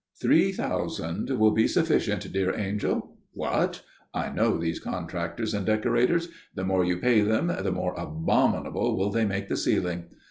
"Three thousand will be sufficient, dear angel. What? I know these contractors and decorators. The more you pay them, the more abominable will they make the ceiling.